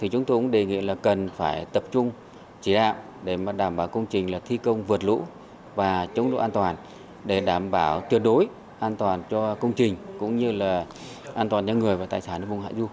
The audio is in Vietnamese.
chúng tôi cũng đề nghị là cần phải tập trung chỉ đạo để đảm bảo công trình thi công vượt lũ và chống lũ an toàn để đảm bảo tuyệt đối an toàn cho công trình cũng như là an toàn cho người và tài sản vùng hạ du